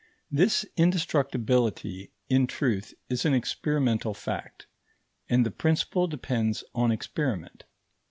This indestructibility, in truth, is an experimental fact, and the principle depends on experiment.